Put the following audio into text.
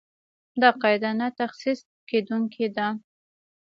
دا قاعده نه تخصیص کېدونکې ده.